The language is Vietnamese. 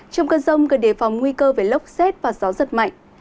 trong cơn rông cần đề phòng nguy cơ về lốc xét và gió giật mạnh